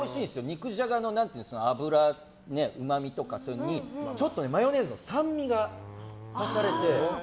肉じゃがのうまみとかにちょっとマヨネーズの酸味が足されて。